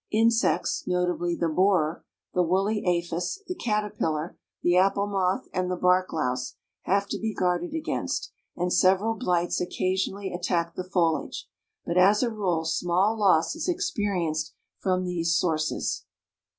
Insects, notably the borer, the woolly aphis, the caterpillar, the apple moth and the bark louse, have to be guarded against, and several blights occasionally attack the foliage, but as a rule small loss is experienced from these sources.